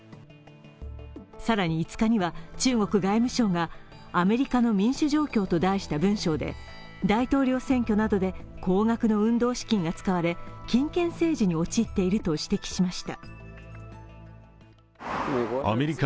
更に、５日には中国外務省が「アメリカの民主状況」と題した文書で大統領選挙などで高額の運動資金が使われ、金権政治に陥っていると指摘しました。